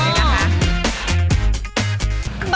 อ๋ออย่างนี้ค่ะอ๋อ